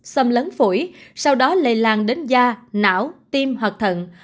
xâm lấn phổi sau đó lây lan đến da não tim hoặc thận